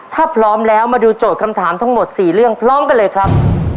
ถ้าพร้อมแล้วมาดูโจทย์คำถามทั้งหมด๔เรื่องพร้อมกันเลยครับ